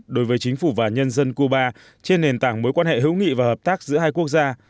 đối với chính phủ và nhân dân cuba trên nền tảng mối quan hệ hữu nghị và hợp tác giữa hai quốc gia